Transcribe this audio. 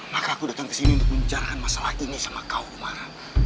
maka aku datang kesini untuk mencarakan masalah ini sama kau umar